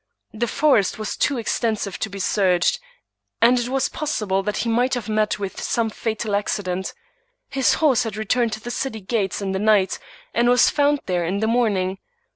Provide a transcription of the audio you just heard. The forest was too extensive to be searched ; and it was pos sible that he might have met with some fatal accident. His horse had returned to the city gates in the night, and was found there in the morning.